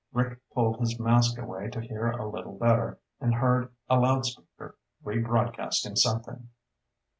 Rick pulled his mask away to hear a little better and heard a loudspeaker, rebroadcasting something.